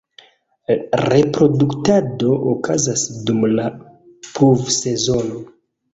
Reproduktado okazas dum la pluvsezono.